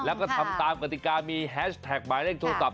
แล้วก็ทำตามกติกามีแฮชแท็กหมายเลขโทรศัพ